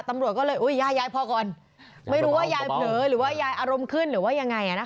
ตำรวจก็เลยอุ้ยยายยายพอก่อนไม่รู้ว่ายายเผลอหรือว่ายายอารมณ์ขึ้นหรือว่ายังไง